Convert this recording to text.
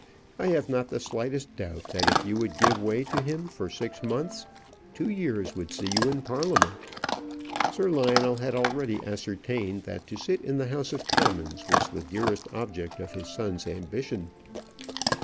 I have not the slightest doubt that if you would give way to him for six months, two years would see you in Parliament." Sir Lionel had already ascertained that to sit in the House of Commons was the dearest object of his son's ambition.